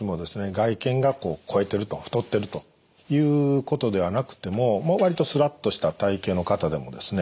外見が肥えてると太っているということではなくても割とスラッとした体型の方でもですね